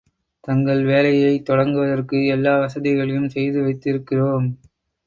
தங்கள் வேலையைத் தொடங்குவதற்குரிய எல்லா வசதிகளையும் செய்து வைத்திருக்கிறோம்.